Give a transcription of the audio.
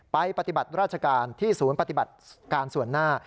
ปฏิบัติราชการที่ศูนย์ปฏิบัติการส่วนหน้า